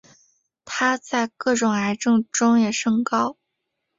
它在各种癌症中也升高。